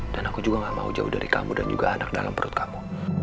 dan aku juga gak mau jauh dari kamu dan juga anak dalam perut kamu